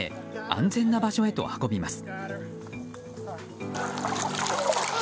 安全な場所へと運びます。